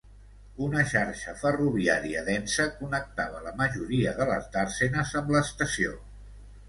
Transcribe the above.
Una xarxa ferroviària densa connectava la majoria de les dàrsenes amb l'estació.